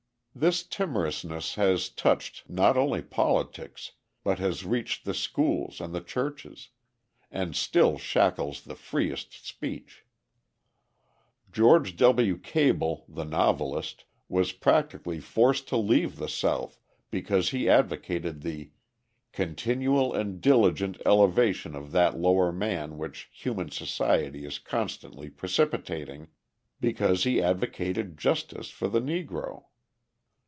This timorousness has touched not only politics, but has reached the schools and the churches and still shackles the freest speech. George W. Cable, the novelist, was practically forced to leave the South because he advocated the "continual and diligent elevation of that lower man which human society is constantly precipitating," because he advocated justice for the Negro.